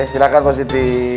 oke silakan pak siti